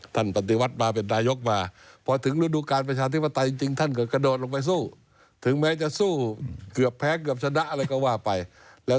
ท่านปฏิวัติมาเป็นนายกมา